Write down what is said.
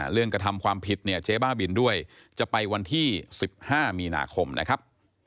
เรื่องกระทำความผิดเจ๊บ้าบิลด้วยจะไปวันที่๑๕มีนาคมนะครับ